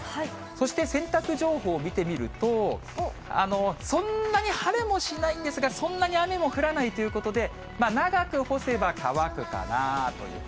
そして洗濯情報、見てみると、そんなに晴れもしないんですが、そんなに雨も降らないということで、長く干せば乾くかなぁという。